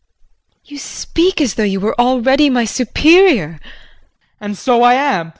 JULIE. You speak as though you were already my superior. JEAN. And so I am!